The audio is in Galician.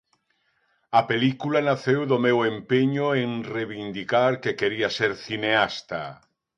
A película naceu do meu empeño en reivindicar que quería ser cineasta.